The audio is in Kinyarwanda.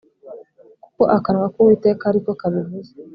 , kuko akanwa k’Uwiteka ari ko kabivuze